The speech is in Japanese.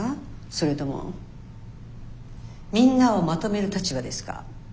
それともみんなをまとめる立場ですか？